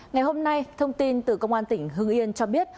ngày hôm nay thông tin từ công an tỉnh hưng yên cho biết